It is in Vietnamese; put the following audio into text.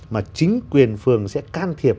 mà chính quyền phường sẽ can thiệp